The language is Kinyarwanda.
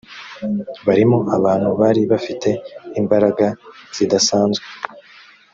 barimo abantu bari bafite imbaraga zidasanzwe